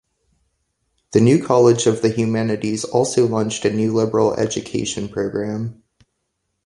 The New College of the Humanities also launched a new liberal education programme.